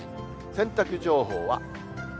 洗濯情報は。